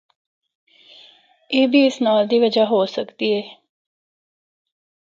اے بھی اس ناں دی وجہ ہو سکدی ہے۔